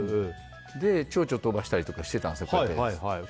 チョウチョ飛ばしたりしてたんですよ。